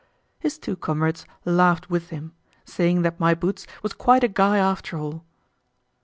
His two comrades laughed with him, saying that My Boots was quite a guy after all.